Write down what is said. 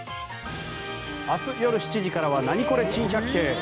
明日夜７時からは「ナニコレ珍百景」。